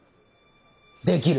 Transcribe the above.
できる！